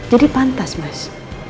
jadi pantas mas